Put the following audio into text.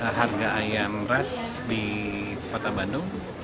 harga ayam ras di kota bandung